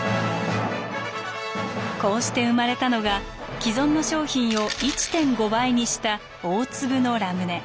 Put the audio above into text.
こうして生まれたのが既存の商品を１．５倍にした大粒のラムネ。